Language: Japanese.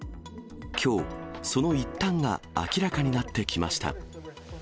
きょう、その一端が明らかになってきました。